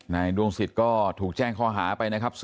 นายดวงศิษย์ก็ถูกแจ้งข้อหาไปนะครับ